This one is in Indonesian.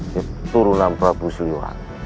diturunan prabu siliwangi